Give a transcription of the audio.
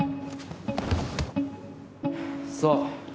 そう。